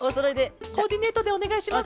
コーディネートでおねがいします